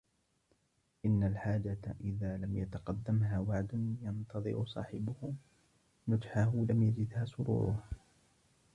إنَّ الْحَاجَةَ إذَا لَمْ يَتَقَدَّمْهَا وَعْدٌ يَنْتَظِرُ صَاحِبُهُ نُجْحَهُ لَمْ يَجِدْ سُرُورَهَا